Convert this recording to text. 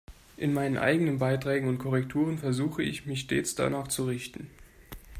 In meinen eigenen Beiträgen und Korrekturen versuche ich, mich stets danach zu richten.